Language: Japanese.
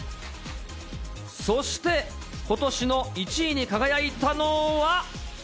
そしてことしの１位に輝いたのは。